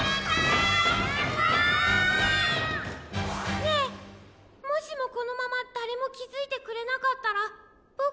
ねえもしもこのままだれもきづいてくれなかったらボク